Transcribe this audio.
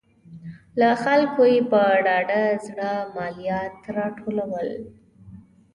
له خلکو یې په ډاډه زړه مالیات راټولول.